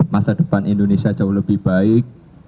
masa depan indonesia jauh lebih baik